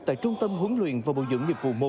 tại trung tâm huấn luyện và bồi dưỡng nghiệp vụ một